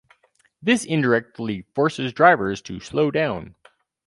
This indirectly forces drivers to slow down.